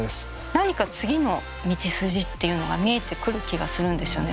何か次の道筋っていうのが見えてくる気がするんですよね。